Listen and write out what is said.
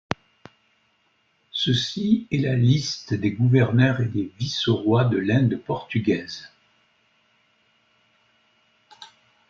Ceci est la liste des gouverneurs et des vice-rois de l'Inde portugaise.